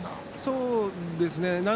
そうですね